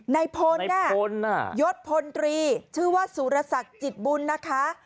ในพลน่ะยศพลตรีชื่อว่าสุรศักดิ์จิตบุญนะคะ